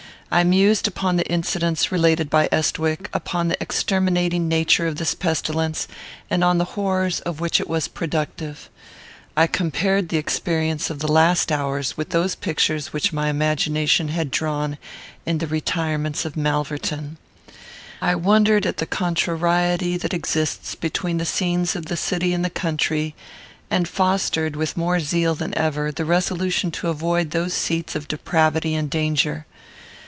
I mused upon the incidents related by Estwick, upon the exterminating nature of this pestilence, and on the horrors of which it was productive. I compared the experience of the last hours with those pictures which my imagination had drawn in the retirements of Malverton. I wondered at the contrariety that exists between the scenes of the city and the country; and fostered, with more zeal than ever, the resolution to avoid those seats of depravity and danger.